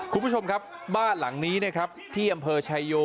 คุณผู้ชมครับบ้านหลังนี้นะครับที่อำเภอชายโย